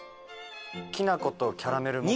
きなことキャラメルモカ。